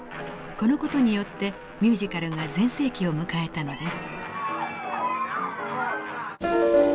この事によってミュージカルが全盛期を迎えたのです。